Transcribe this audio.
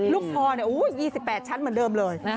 ลูกพอเนี่ย๒๘ชั้นเหมือนเดิมเลย